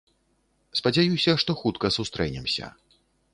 Спадзяюся, што хутка сустрэнемся.